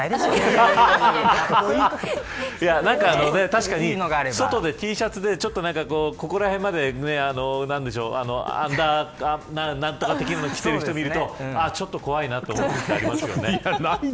確かに外でＴシャツでちょっとここらへんまでアンダーなんとかを着ている人を見るとちょっと怖いなと思うときありますよね。